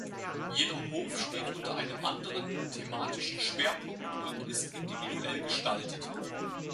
Jeder Hof steht unter einem anderen thematischen Schwerpunkt und ist individuell gestaltet.